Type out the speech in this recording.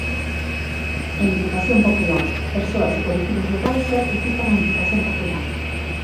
Implicación popular: Persoas e colectivos locais certifican a implicación popular.